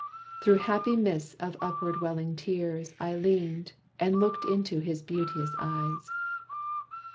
Through happy mists of upward welling tears, I leaned, and looked into his beauteous eyes.